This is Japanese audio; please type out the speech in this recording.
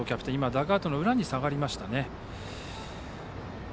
ダグアウトの裏に下がりましたね。